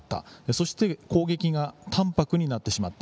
そして攻撃がたんぱくになってしまった。